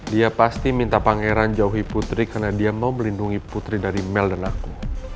dia pasti minta pangeran jauhi putri karena dia mau melindungi putri dari mel dan aku